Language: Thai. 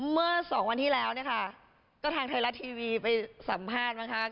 เมื่อสองวันที่แล้วเนี่ยค่ะก็ทางไทยรัฐทีวีไปสัมภาษณ์บ้างคะ